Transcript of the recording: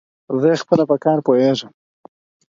زه ئې په کار پوهېږم.